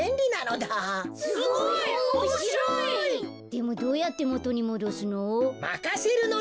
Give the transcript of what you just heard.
でもどうやってもとにもどすの？